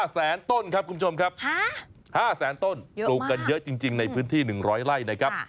แสนต้นครับคุณผู้ชมครับ๕แสนต้นปลูกกันเยอะจริงในพื้นที่๑๐๐ไร่นะครับ